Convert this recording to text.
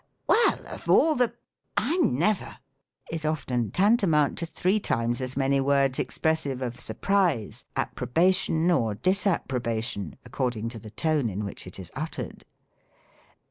" Well, of all the — I never !" is often tantamount to three times as many words expressive of surprise, ap probation, or disapprobation, according to the tone in i, which it is uttered.